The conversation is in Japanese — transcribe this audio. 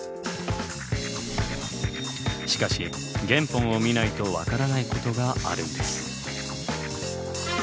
しかし原本を見ないと分からないことがあるんです。